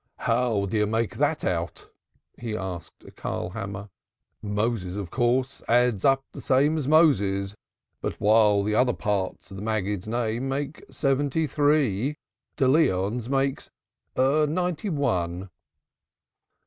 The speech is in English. "How do you make that out?" he asked Karlkammer. "Moses of course adds up the same as Moses but while the other part of the Maggid's name makes seventy three, da Leon's makes ninety one."